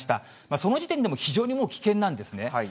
その時点でも、非常に危険なんですね。